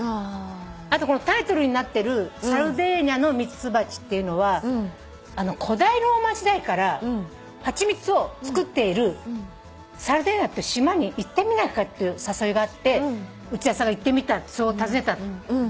あとタイトルになってる『サルデーニャの蜜蜂』っていうのは古代ローマ時代から蜂蜜をつくっているサルデーニャっていう島に行ってみないかって誘いがあって内田さんが行ってみた訪ねた話とか。